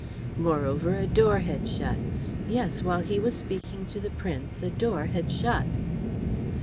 Moreover, a door had shut yes, while he was speaking to the Prince a door had shut.